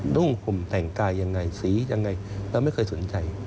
่งห่มแต่งกายยังไงสียังไงเราไม่เคยสนใจ